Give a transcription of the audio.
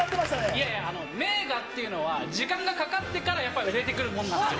いやいや、名画っていうのは時間がかかってから、売れてくるものなんですよ。